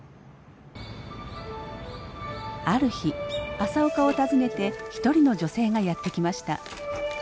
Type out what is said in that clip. ある日朝岡を訪ねて一人の女性がやって来ました。